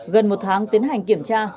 gần một tháng tiến hành kiểm tra